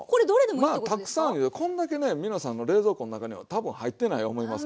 まあたくさんいうてこんだけね皆さんの冷蔵庫の中には多分入ってない思いますけど。